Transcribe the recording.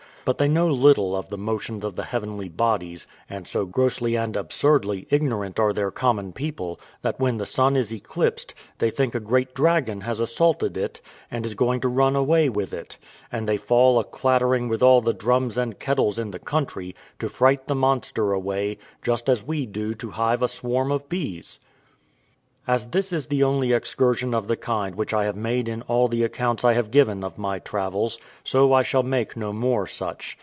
But they know little of the motions of the heavenly bodies; and so grossly and absurdly ignorant are their common people, that when the sun is eclipsed, they think a great dragon has assaulted it, and is going to run away with it; and they fall a clattering with all the drums and kettles in the country, to fright the monster away, just as we do to hive a swarm of bees! As this is the only excursion of the kind which I have made in all the accounts I have given of my travels, so I shall make no more such.